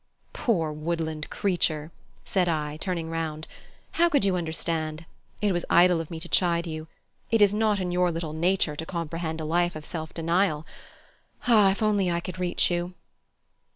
"Poor woodland creature!" said I, turning round. "How could you understand? It was idle of me to chide you. It is not in your little nature to comprehend a life of self denial. Ah! if only I could reach you!"